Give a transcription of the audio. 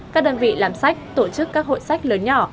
các đơn vị làm sách tổ chức các hội sách lớn nhỏ